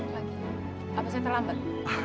lagi apa saya terlambat